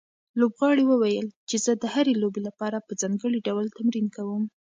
لوبغاړي وویل چې زه د هرې لوبې لپاره په ځانګړي ډول تمرین کوم.